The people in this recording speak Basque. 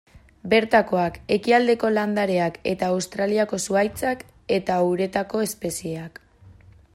Bertakoak, ekialdeko landareak eta Australiako zuhaitzak, eta uretako espezieak.